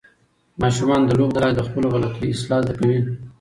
ماشومان د لوبو له لارې د خپلو غلطیو اصلاح زده کوي.